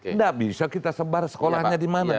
tidak bisa kita sebar sekolahnya dimana